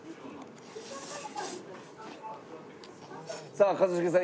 さあ一茂さん